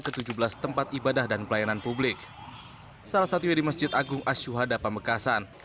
ke tujuh belas tempat ibadah dan pelayanan publik salah satunya di masjid agung asyuhada pamekasan